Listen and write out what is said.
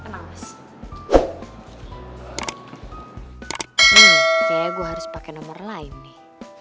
nih kayaknya gue harus pake nomor lain nih